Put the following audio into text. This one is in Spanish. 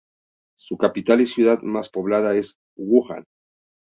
Su capital y ciudad más poblada es Wuhan.